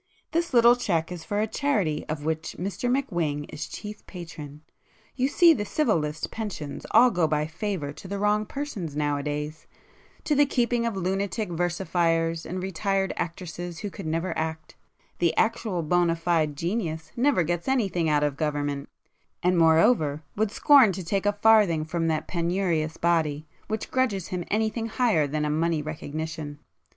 This little cheque is for a charity of which Mr McWhing is chief patron,—you see the Civil List pensions all go by favour to the wrong persons nowadays; to the keeping of lunatic versifiers and retired actresses who never could act—the actual bona fide 'genius' never gets anything out of Government, and moreover would scorn to take a farthing from that penurious body, which grudges him anything higher than a money recognition.